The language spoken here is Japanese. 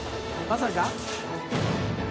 まさか？